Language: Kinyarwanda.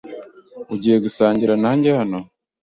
Ugiye gusangira nanjye hano?